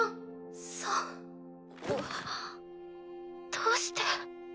どうして。